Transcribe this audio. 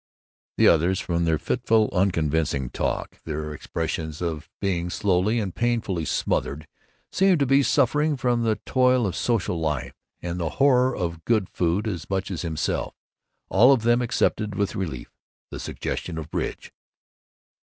The others, from their fitful unconvincing talk, their expressions of being slowly and painfully smothered, seemed to be suffering from the toil of social life and the horror of good food as much as himself. All of them accepted with relief the suggestion of bridge.